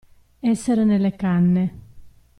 Essere nelle canne.